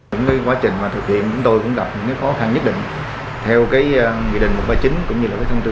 với quá trình thực hiện chúng tôi cũng gặp những khó khăn nhất định theo nghị định một trăm ba mươi chín cũng như thông tư ba